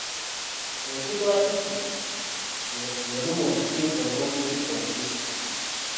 Olukiiko lwa disitulikiti lwe luba olukiiko olw'oku ntikko mu disitulikiti.